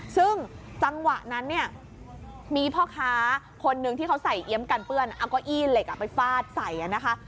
ซึ่งจังหวะนั้นเนี่ยมีพ่อค้าคนนึงที่เขาใส่เอี๊ยมกันเปื้อนเอาเก้าอี้เหล็กไปฟาดใส่นะคะ